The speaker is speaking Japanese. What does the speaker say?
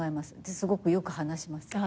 すごくよく話します。